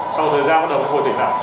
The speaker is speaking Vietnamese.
sau thời gian bắt đầu hồi tỉnh lại